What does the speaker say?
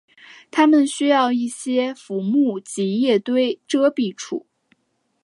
它们需要一些浮木及叶堆遮蔽处。